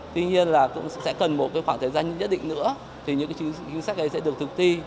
tuy nhiên là cũng sẽ cần một khoảng thời gian nhất định nữa thì những chính sách ấy sẽ được thực thi